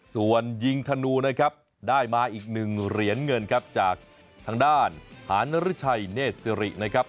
ส่วนยิงธนูนะครับได้มาอีกหนึ่งเหรียญเงินครับจากทางด้านหารฤชัยเนธสิรินะครับ